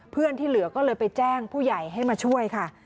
ที่เหลือก็เลยไปแจ้งผู้ใหญ่ให้มาช่วยค่ะ